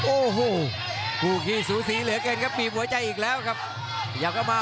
โอ้โหฟูกีสูสีเหลือกันครับมีหัวใจอีกแล้วครับพยายามเข้ามา